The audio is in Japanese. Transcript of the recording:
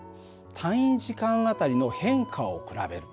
単位時間あたりの変化を比べる。